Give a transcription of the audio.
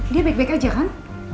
dia baik baik aja kan